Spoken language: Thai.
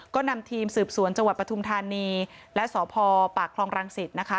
ก็นำทีมสืบสวนจังหวัดปฐุมธานีและสพปากคลองรังสิตนะคะ